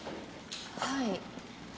はい。